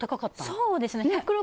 そうですね。